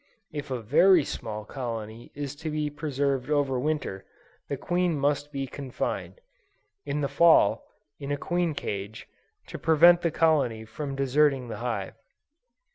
If a very small colony is to be preserved over Winter, the queen must be confined, in the Fall, in a queen cage, to prevent the colony from deserting the hive.